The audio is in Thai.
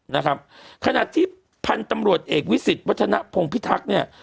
นะครับขณะที่พันธุ์ตำรวจเอกวิสิตวัฒนภงพิทักษ์เนี่ย